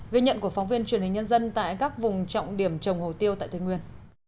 ghi nhận của phóng viên truyền hình nhân dân tại các vùng trọng điểm trồng hồ tiêu tại tây nguyên